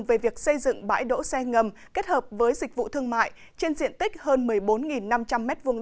về việc xây dựng bãi đỗ xe ngầm kết hợp với dịch vụ thương mại trên diện tích hơn một mươi bốn năm trăm linh m hai